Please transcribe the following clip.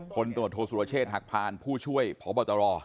ตรวจโทษสุรเชษฐหักพานผู้ช่วยพบตร